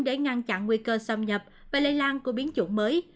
để ngăn chặn nguy cơ xâm nhập và lây lan của biến chủng mới